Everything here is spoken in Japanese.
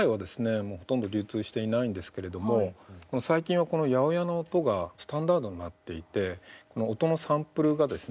もうほとんど流通していないんですけれども最近はこの８０８の音がスタンダードになっていてこの音のサンプルがですね